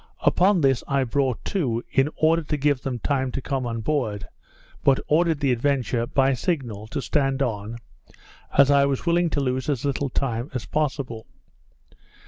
Upon this I brought to, in order to give them time to come on board; but ordered the Adventure, by signal, to stand on, as I was willing to lose as little time as possible.